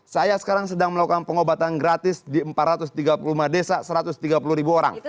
saya sekarang sedang melakukan pengobatan gratis di empat ratus tiga puluh lima desa satu ratus tiga puluh ribu orang